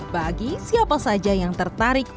bagi siapa saja yang tertarik